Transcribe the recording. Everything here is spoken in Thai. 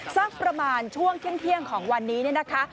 สักประมาณช่วงเที่ยงของวันนี้เนี่ยนะคะ